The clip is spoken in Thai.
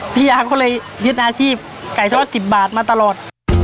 พี่อาก็เลยยึดอาชีพไก่ทอด๑๐บาทมาตลอด